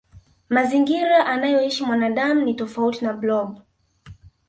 mazingira anayoishi mwanadamu ni tofauti na blob